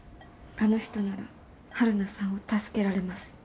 あの人なら晴汝さんを助けられます。